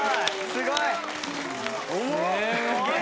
すごいね！